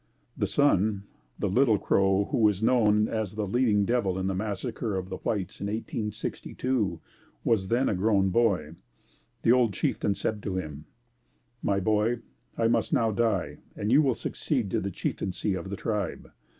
The son, the "Little Crow" who is known as the leading devil in the massacre of the whites in 1862, was then a grown boy. The old chieftain said to him, "My boy, I must now die and you will succeed to the chieftaincy of the tribe.